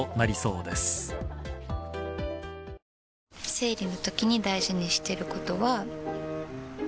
生理のときに大事にしてることは。